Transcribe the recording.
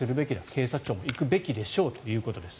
警察庁も行くべきでしょうということです。